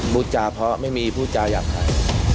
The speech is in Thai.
บุจจาเพราะไม่มีผู้จาอยากภัย